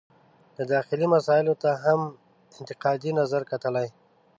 د داخلي مسایلو ته هم انتقادي نظر کتلي.